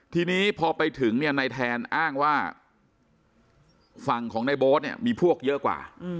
ทีนี้พอไปถึงเนี่ยในแทนอ้างว่าฝั่งของในโบ๊ทเนี่ยมีพวกเยอะกว่า